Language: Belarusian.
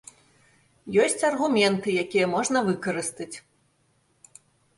Ёсць аргументы, якія можна выкарыстаць.